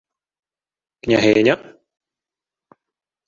— Княгиня?